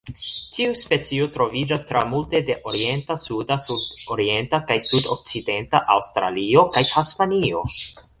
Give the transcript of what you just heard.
Tiu specio troviĝas tra multe de orienta, suda, sudorienta kaj sudokcidenta Aŭstralio kaj Tasmanio.